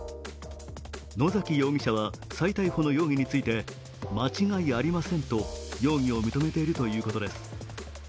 野崎容疑者は再逮捕の容疑について間違いありませんと容疑を認めているということです。